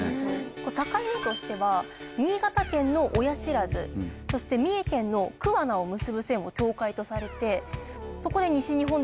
境目としては新潟県の親不知そして三重県の桑名を結ぶ線を境界とされてそこで西日本では「谷」